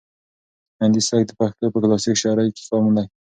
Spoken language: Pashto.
هندي سبک د پښتو په کلاسیک شاعري کې عام دی.